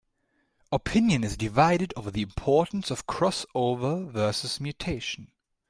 Opinion is divided over the importance of crossover versus mutation.